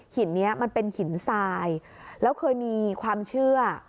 หินนี้มันเป็นหินทรายแล้วเคยมีความเชื่อ